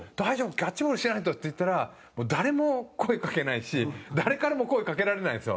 キャッチボールしないとって言ったら誰も声かけないし、誰からも声かけられないんですよ。